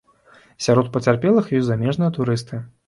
Сярод пацярпелых ёсць замежныя турысты.